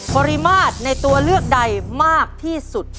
ปริมาตรในตัวเลือกใดมากที่สุด